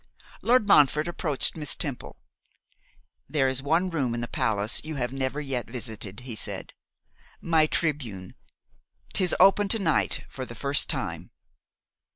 Lord Montfort approached Miss Temple. 'There is one room in the palace you have never yet visited,' he said, 'my tribune; 'tis open to night for the first time.